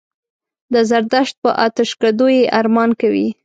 د زردشت په آتشکدو یې ارمان کوي.